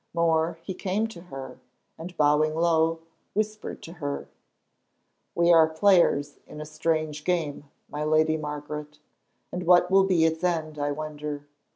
More, he came to her, and bowing low, whispered to her: "We are players in a strange game, my lady Margaret, and what will be its end, I wonder?